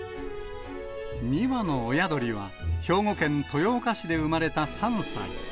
２羽の親鳥は、兵庫県豊岡市で生まれた３歳。